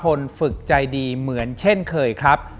ฝึกใจดีเหมือนเช่นเคยครับ